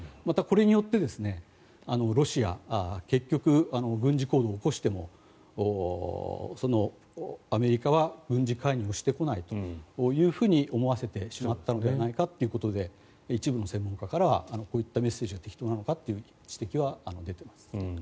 また、これによってロシア結局、軍事行動を起こしてもアメリカは軍事介入してこないというふうに思わせてしまったのではないかということで一部の専門家からはこういったメッセージが適当なのかという指摘は出ています。